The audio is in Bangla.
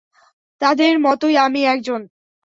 তাদের মতই আমি একজন।